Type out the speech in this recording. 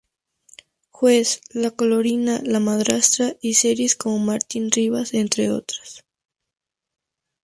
Juez", "La colorina", "La madrastra", y series como "Martín Rivas", entre otras.